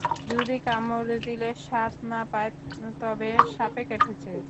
যদি কামড় দিলে স্বাদ না পায়, তবে সাপে কেটেছে।